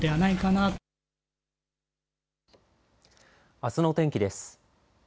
あすの天気です。